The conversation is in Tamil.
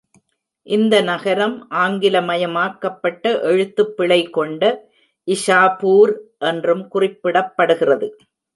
இந்த நகரம் ஆங்கிலமயமாக்கப்பட்ட எழுத்துப்பிழை கொண்ட இஷாபூர் என்றும் குறிப்பிடப்படுகிறது.